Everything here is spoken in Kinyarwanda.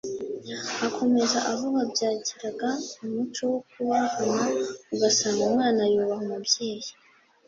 Akomeza avuga byagiraga umuco wo kubahana ugasanga umwana yubaha umubyeyi